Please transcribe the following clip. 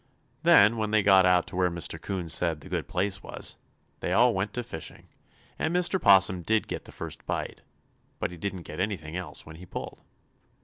Then, when they got out to where Mr. 'Coon said the good place was, they all went to fishing, and Mr. 'Possum did get the first bite, but he didn't get anything else when he pulled.